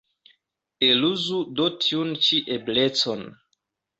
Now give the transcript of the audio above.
Eluzu do tiun ĉi eblecon.